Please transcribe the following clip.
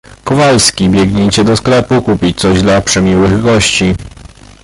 Kowalski, biegnijcie do sklepu kupić coś dla przemiłych gości!